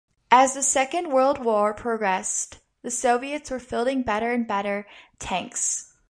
As the Second World War progressed, the Soviets were fielding better and better tanks.